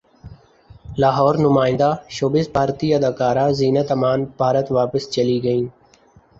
لاہورنمائندہ showbiz بھارتی اداکارہ زینت امان بھارت واپس چلی گئیں